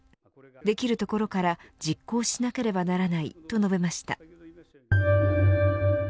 できるところから実行しなければならないと述べました。